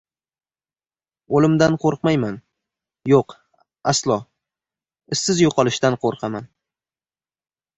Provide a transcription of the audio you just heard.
O‘limdan qo‘rqmayman. Yo‘q, aslo! Izsiz yo‘qolishdan qo‘rqaman.